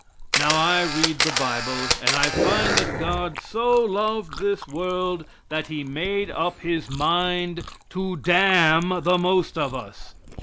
Now, I read the bible, and I find that God so loved this world that he made up his mind to damn the most of us.